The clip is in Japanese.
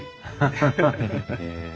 ハハハへえ。